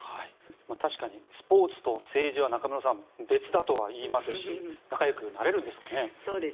確かにスポーツと政治は中室さん、別だとは言いますし仲よくなれるんですかね。